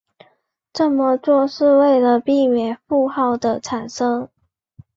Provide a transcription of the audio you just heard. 这么做是为了避免负号的产生。